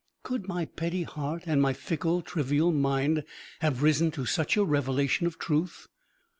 Could my petty heart and my fickle, trivial mind have risen to such a revelation of truth?